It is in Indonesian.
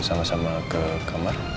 sama sama ke kamar